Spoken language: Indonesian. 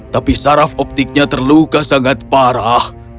tapi saraf optiknya terluka sangat parah